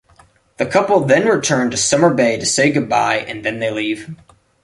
The couple then return to Summer Bay to say goodbye and then they leave.